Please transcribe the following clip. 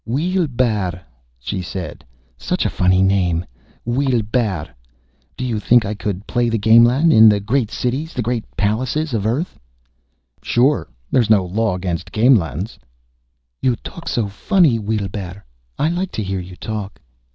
"Weelbrrr," she said. "Such a funny name, Weelbrrr. Do you think I could play the gamelan in the great cities, the great palaces of Earth?" "Sure. There's no law against gamelans." "You talk so funny, Weelbrrr. I like to hear you talk."